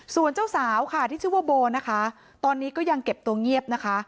ส่วนเจ้าสาวค่ะที่ชื่อว่าโบนะคะตอนนี้ก็ยังเก็บตัวเงียบนะคะ